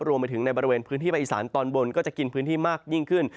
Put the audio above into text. รวมไปถึงในบริเวณพื้นที่ภาคอีสานตอนบนก็จะกินพื้นที่มากยิ่งขึ้น